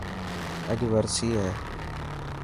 اڄ ورسي هي.